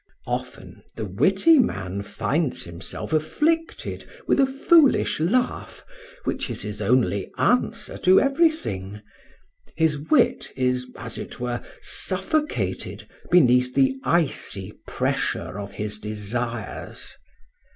Often the witty man finds himself afflicted with a foolish laugh which is his only answer to everything; his wit is, as it were, suffocated beneath the icy pressure of his desires.